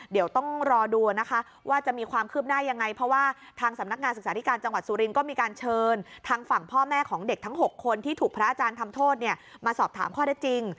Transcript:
เดี๋ยวต้องรอดูว่าจะมีความคืบได้ยังไง